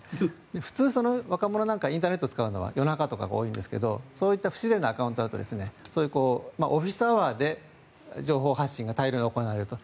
普通、若者なんかインターネットを使うのは夜中とかが多いんですがそういった不自然なアカウントだとオフィスアワーで情報発信が大量に行われると。